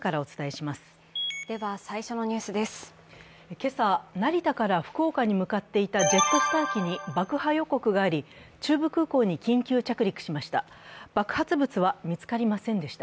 今朝、成田から福岡に向かっていたジェットスター機に爆破予告があり、中部空港に緊急着陸しました。